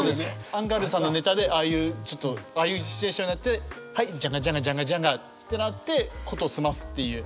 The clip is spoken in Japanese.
アンガールズさんのネタでああいうちょっとああいうシチュエーションはいジャンガジャンガジャンガジャンガってなって事を済ますっていう。